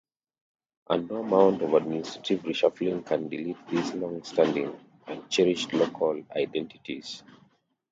And no amount of administrative reshuffling can delete these longstanding and cherished local identities.